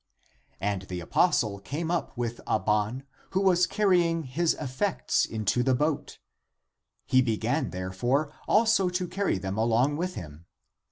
And the apostle came up with Abban, who w^as carrying his effects into the boat. He began, therefore, also to carry them along with him.